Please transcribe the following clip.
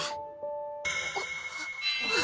あっ！